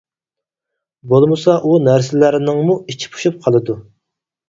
بولمىسا ئۇ نەرسىلەرنىڭمۇ ئىچى پۇشۇپ قالىدۇ.